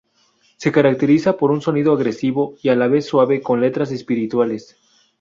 Se caracteriza por un sonido agresivo y a la vez suave con letras espirituales.